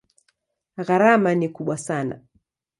Gharama ni kubwa sana.